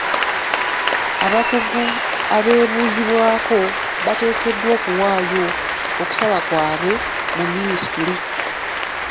Abakugu abeebuuzibwako bateekeddwa okuwaayo okusaba kwaabwe mu minisitule